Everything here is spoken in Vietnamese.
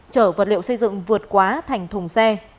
chở vật liệu xây dựng vượt quá thành thùng xe